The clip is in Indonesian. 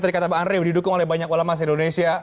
terdekat pak andre didukung oleh banyak ulama di indonesia